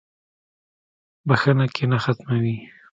• بخښنه کینه ختموي.